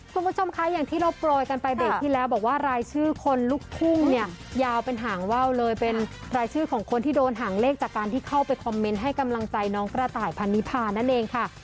คุณผู้ชมคะอย่างที่เราโปรยกันไปเบรกที่แล้วบอกว่ารายชื่อคนลุกทุ่งเนี่ยยาวเป็นหางว่าวเลยเป็นรายชื่อของคนที่โดนหางเลขจากการที่เข้าไปคอมเมนต์ให้กำลังใจน้องกระต่ายพันนิพานั่นเองค่ะ